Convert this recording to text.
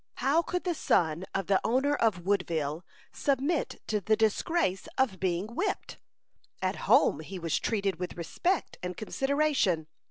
How could the son of the owner of Woodville submit to the disgrace of being whipped? At home he was treated with respect and consideration.